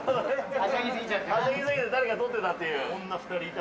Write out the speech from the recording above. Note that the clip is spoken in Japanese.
はしゃぎすぎて誰か撮ってたっていう。